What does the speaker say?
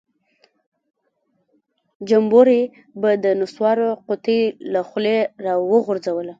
جمبوري به د نسوارو قطۍ له خولۍ راوغورځوله.